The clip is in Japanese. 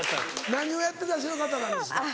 何をやってらっしゃる方なんですか？